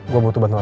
gue butuh bantuan